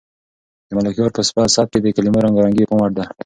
د ملکیار په سبک کې د کلمو رنګارنګي د پام وړ ده.